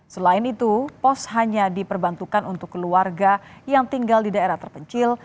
selain itu pos hanya diperbantukan untuk keluarga yang tinggal di daerah terpencil